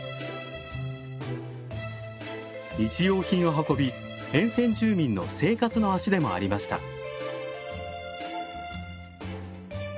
日用品を運び沿線住民の生活の足でもありました。